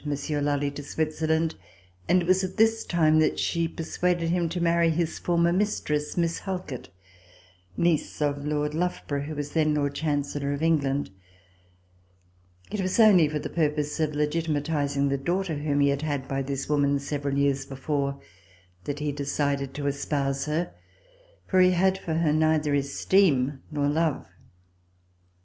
Lally to Switzerland, and it was at this time that she persuaded him to marry his former mistress, Miss Halkett, niece of Lord Loughborough, who was then Lord Chancellor of England. It was only for the purpose of legitimatizing the daughter whom he had had by this woman several years before, that he decided to espouse her, for he had for her neither esteem nor love.